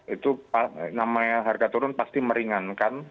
itu namanya harga turun pasti meringankan